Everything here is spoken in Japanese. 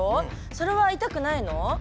それはいたくないの？